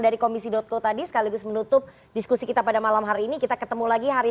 dari komisi co tadi sekaligus menutup diskusi kita pada malam hari ini kita ketemu lagi hari